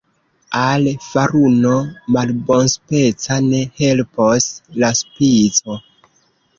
Al faruno malbonspeca ne helpos la spico.